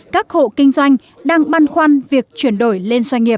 các hộ kinh doanh đang băn khoăn việc chuyển đổi lên doanh nghiệp